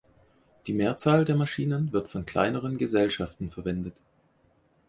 Die Mehrzahl der Maschinen wird von kleineren Gesellschaften verwendet.